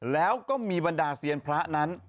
แล้วก็มีบรรดาเซียนพระนั้น